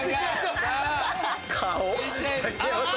顔！